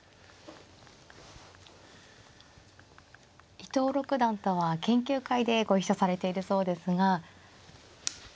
伊藤六段とは研究会でご一緒されているそうですが。